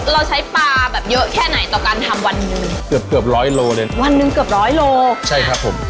เราใช้ปลาแบบเยอะแค่ไหนต่อการทำวันหนึ่งเกือบเกือบร้อยโลเลยวันหนึ่งเกือบร้อยโลใช่ครับผม